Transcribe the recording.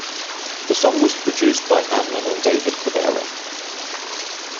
The song was produced by Hanlon and David Cabera.